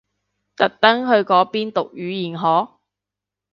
特登去嗰邊讀語言學？